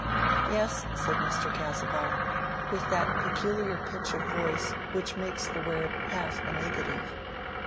"Yes," said Mr. Casaubon, with that peculiar pitch of voice which makes the word half a negative.